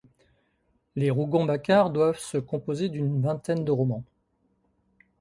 Les Rougon-Macquart doivent se composer d'une vingtaine de romans.